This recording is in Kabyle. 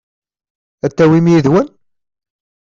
Ad t-tawim yid-wen?